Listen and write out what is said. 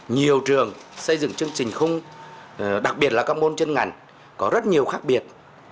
nhiều trường xây dựng chương trình khung đặc biệt là các môn chuyên ngành có rất nhiều khác biệt